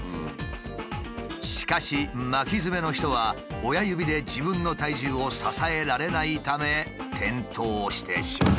しかし巻きヅメの人は親指で自分の体重を支えられないため転倒してしまう。